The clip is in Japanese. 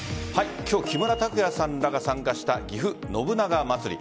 今日木村拓哉さんらが参加したぎふ信長まつり。